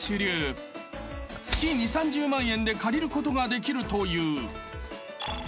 ［月２０３０万円で借りることができるという］